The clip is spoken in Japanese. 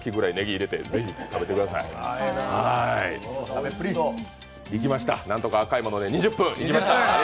いきました、何とか赤いもので２０分。